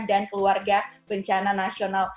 dan keluarga bencana nasional